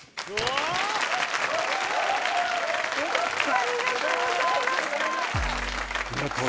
ありがとうございます。